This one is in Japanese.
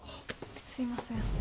すいません。